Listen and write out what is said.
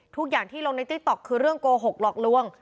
ทุกอย่างที่ลงในติ๊กต๊อกคือเรื่องโกหกหลอกลวง